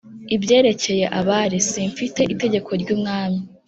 Ibyerekeye abari simfite itegeko ry umwami